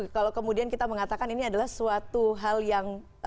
kalau kemudian kita mengatakan ini adalah suatu hal yang